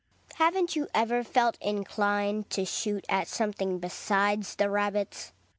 Haven't you ever felt inclined to shoot at something besides the rabbits.